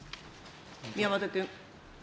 宮本君。